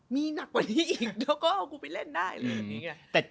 มีหนักกว่านี้อีกเดี๋ยวก็เอากูไปเล่นได้เลย